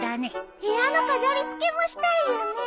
部屋の飾り付けもしたいよね。